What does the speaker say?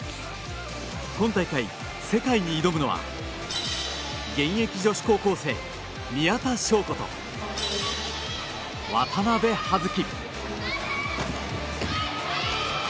今大会、世界に挑むのは現役女子高校生・宮田笙子と渡部葉月。